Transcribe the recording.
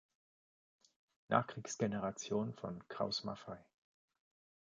Nachkriegsgeneration von Krauss-Maffei.